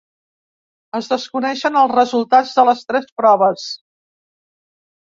Es desconeixen els resultats de les tres proves.